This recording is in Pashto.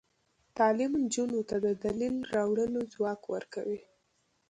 تعلیم نجونو ته د دلیل راوړلو ځواک ورکوي.